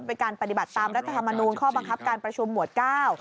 เป็นการปฏิบัติตามรัฐธรรมนูลข้อบังคับการประชุมหมวดเก้า